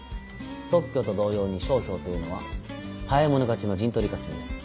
特許と同様に商標というのは早い者勝ちの陣取り合戦です。